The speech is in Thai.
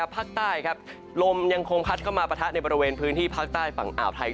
ภาคใต้ครับลมยังคงพัดเข้ามาปะทะในบริเวณพื้นที่ภาคใต้ฝั่งอ่าวไทย